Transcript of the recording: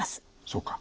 そうか。